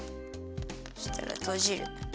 そしたらとじる。